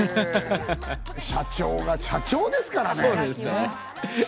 社長が社長ですからね。